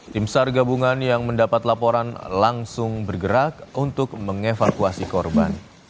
tim sar gabungan yang mendapat laporan langsung bergerak untuk mengevakuasi korban